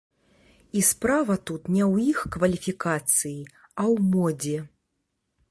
І справа тут не ў іх кваліфікацыі, а ў модзе.